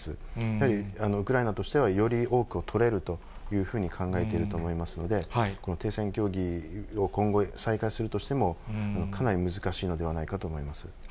やはりウクライナとしては、より多くをとれるというふうに考えていると思いますので、停戦協議を今後、再開するとしても、かなり難しいのではないかと思います。